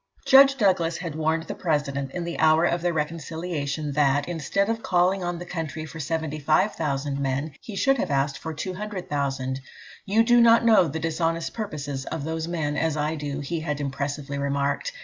Judge Douglas had warned the President, in the hour of their reconciliation, that, instead of calling on the country for 75,000 men, he should have asked for 200,000. "You do not know the dishonest purposes of those men as I do," he had impressively remarked.